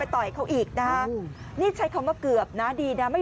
โรดเจ้าเจ้าเจ้าเจ้าเจ้าเจ้าเจ้าเจ้าเจ้าเจ้าเจ้าเจ้าเจ้า